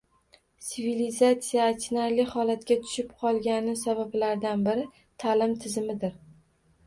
Sivilizatsiya achinarli holatga tushib qolgani sabablardan biri – ta’lim tizimidir.